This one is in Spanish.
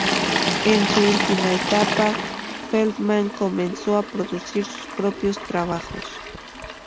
En su última etapa, Feldman comenzó a producir sus propios trabajos.